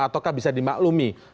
ataukah bisa dimaklumi